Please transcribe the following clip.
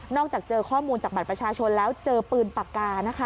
จากเจอข้อมูลจากบัตรประชาชนแล้วเจอปืนปากกานะคะ